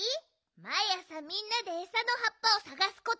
まいあさみんなでえさのはっぱをさがすこと。